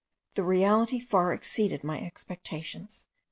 The reality far exceeded my expectations.